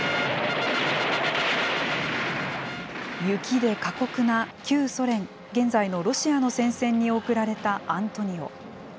雪で過酷な旧ソ連、現在のロシアの戦線に送られたアントニオ。